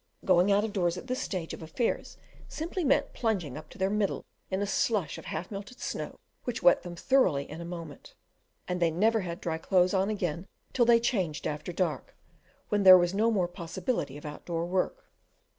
Going out of doors at this stage of affairs simply meant plunging up to their middle in a slush of half melted snow which wet them thoroughly in a moment; and they never had dry clothes on again till they changed after dark, when there was no more possibility of outdoor work.